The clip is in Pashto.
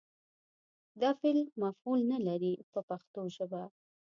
دا فعل مفعول نه لري په پښتو ژبه.